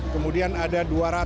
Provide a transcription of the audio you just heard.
kemudian ada dua ratus